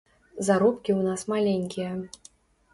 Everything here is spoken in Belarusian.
Заробкі ў нас маленькія.